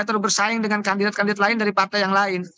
terus bersaing dengan kandidat kandidat lain dari partai yang lain